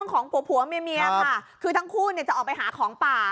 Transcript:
ของผัวผัวเมียเมียค่ะคือทั้งคู่เนี่ยจะออกไปหาของป่า